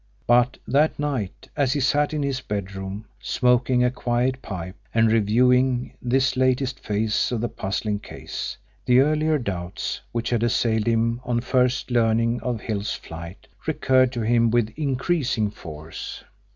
But that night, as he sat in his bedroom smoking a quiet pipe, and reviewing this latest phase of the puzzling case, the earlier doubts which had assailed him on first learning of Hill's flight recurred to him with increasing force.